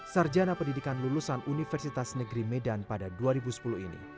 sarjana pendidikan lulusan universitas negeri medan pada dua ribu sepuluh ini